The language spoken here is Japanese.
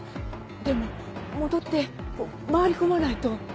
でも戻って回り込まないと。